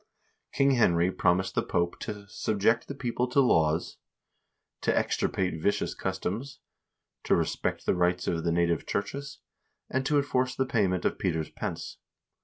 King Henry promised the Pope to "subject the people to laws, to extirpate vicious customs, to respect the rights of the native churches, and to enforce the payment of Peter's Pence."